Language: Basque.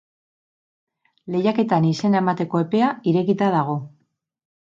Lehiaketan izena emateko epea irekita dago.